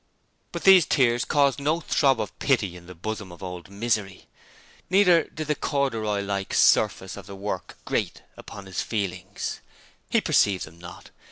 But these tears caused no throb of pity in the bosom of Misery: neither did the corduroy like surface of the work grate upon his feelings. He perceived them not.